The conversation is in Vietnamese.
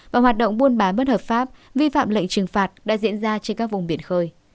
và hoạt động buôn bán bất hợp pháp vi phạm lệnh trừng phạt đã diễn ra trên các vùng biển khơi